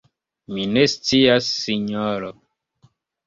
Mi ne scias, sinjoro.